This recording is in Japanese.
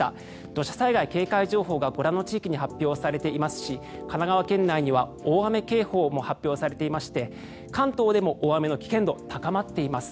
土砂災害警戒情報がご覧の地域に発表されていますし神奈川県内には大雨警報も発表されていまして関東でも大雨の危険度、高まっています。